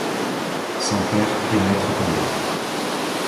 Son père est maître tailleur.